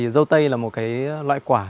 dâu tây là một loại quả